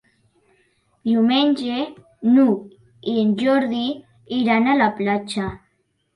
Diumenge n'Hug i en Jordi iran a la platja.